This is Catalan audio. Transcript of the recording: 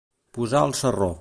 Posar al sarró.